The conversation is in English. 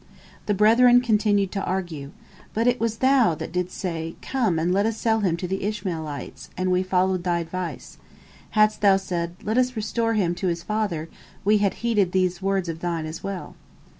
The brethren continued to argue: "But it was thou that didst say, Come and let us sell him to the Ishmaelites, and we followed thy advice. Hadst thou said, Let us restore him to his father, we had heeded these words of thine as well."